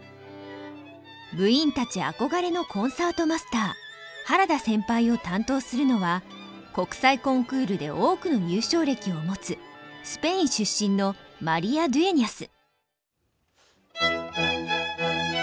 部員たち憧れのコンサートマスター原田先輩を担当するのは国際コンクールで多くの優勝歴を持つスペイン出身のマリア・ドゥエニャス。